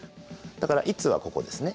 だから「いつ」はここですね。